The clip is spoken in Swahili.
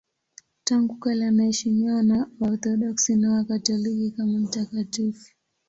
Tangu kale anaheshimiwa na Waorthodoksi na Wakatoliki kama mtakatifu.